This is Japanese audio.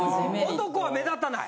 男は目立たない？